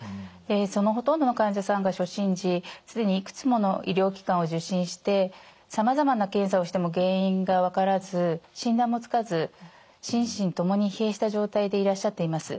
そのほとんどの患者さんが初診時既にいくつもの医療機関を受診してさまざまな検査をしても原因が分からず診断もつかず心身共に疲弊した状態でいらっしゃっています。